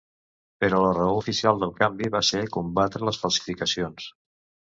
Però la raó oficial del canvi va ser combatre les falsificacions.